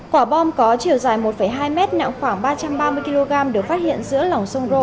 quả bom có chiều dài một hai mét nặng khoảng ba trăm ba mươi kg được phát hiện giữa lòng sông ro